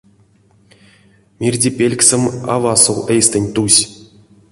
Мирдепельксэм а васов эйстэнь тусь.